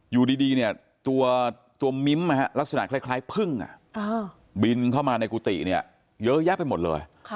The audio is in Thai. อยู่ดีเนี่ยตัวมิ้มลักษณะคล้ายพึ่งบินเข้ามาในกุฏิเนี่ยเยอะแยะไปหมดเลย